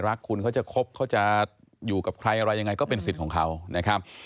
คุณเขาจะคบเขาจะอยู่กับใครอะไรยังไงก็เป็นสิทธิ์ของเขานะครับ